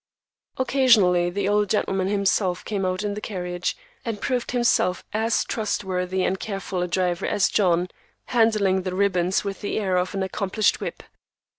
Occasionally the old gentleman himself came out in the carriage, and proved himself as trustworthy and careful a driver as John, handling the "ribbons" with the air of an accomplished whip.